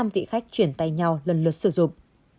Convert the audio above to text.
năm vị khách chuyển tay nhau lần lượt sử dụng